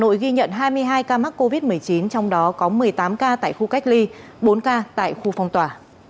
sáu giờ sáng ngày hôm nay hà nội ghi nhận hai mươi hai ca mắc covid một mươi chín trong đó có một mươi tám ca tại khu cách ly bốn ca tại khu phong tỏa